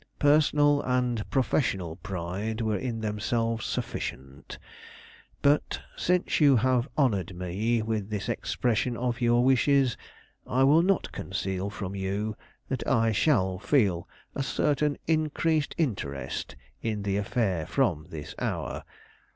Personal and professional pride were in themselves sufficient. But, since you have honored me with this expression of your wishes, I will not conceal from you that I shall feel a certain increased interest in the affair from this hour.